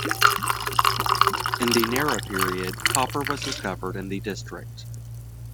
In the Nara period, copper was discovered in the district.